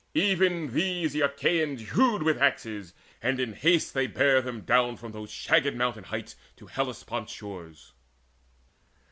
Even these the Achaeans hewed With axes, and in haste they bare them down From those shagged mountain heights to Hellespont's shores.